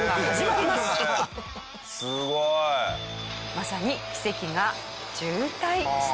まさに奇跡が渋滞していました。